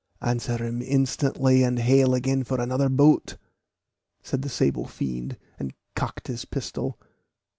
"Answer him instantly, and hail again for another boat," said the sable fiend, and cocked his pistol.